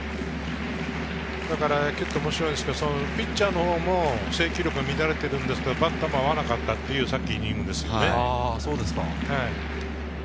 野球は面白いですが、ピッチャーのほうも制球力が乱れてきますが、バッターも合わなかったというイニングですよね。